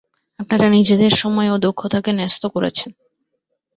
আপনারা নিজেদের সময় ও দক্ষতাকে ন্যস্ত করেছেন।